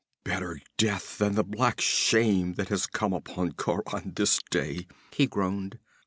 'Better death than the black shame that has come upon Khauran this day,' he groaned.